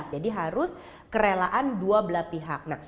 jadi harus kerelaan dua belah pihak